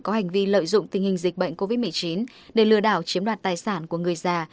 có hành vi lợi dụng tình hình dịch bệnh covid một mươi chín để lừa đảo chiếm đoạt tài sản của người già